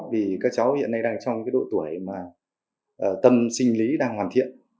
vì các cháu hiện nay đang trong cái độ tuổi mà tâm sinh lý đang hoàn thiện